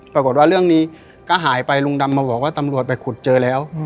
ปรากฏว่าเรื่องนี้ก็หายไปลุงดำมาบอกว่าตำรวจไปขุดเจอแล้ว